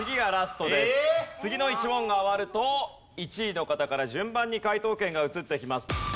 次の１問が終わると１位の方から順番に解答権が移ってきます。